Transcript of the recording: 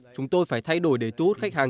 chúng tôi phải thay đổi để tút khách hàng